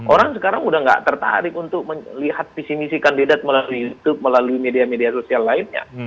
orang sekarang udah gak tertarik untuk melihat visi misi kandidat melalui youtube melalui media media sosial lainnya